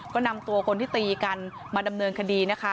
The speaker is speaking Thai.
ก็นำตัวคนที่ตีกันมาดำเนินคดีนะคะ